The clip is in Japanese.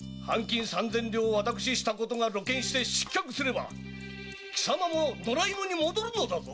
両を私したことが露見して失脚すれば貴様も野良犬に戻るのだぞ！